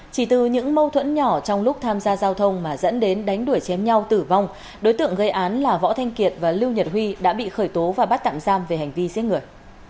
chỉ từ những mâu thuẫn nhỏ trong lúc tham gia giao thông mà dẫn đến đánh đuổi chém nhau tử vong đối tượng gây án là võ thanh kiệt và lưu nhật huy đã bị khởi tố và bắt tạm giam về hành vi giết người